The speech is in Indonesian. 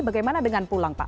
bagaimana dengan pulang pak